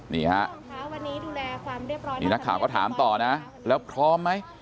นี่นักข่าวก็ถามต่อนะแล้วพร้อมไหม